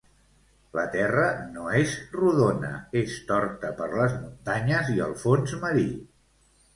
La terra no és rodona és torta per les muntanyes i el fons marí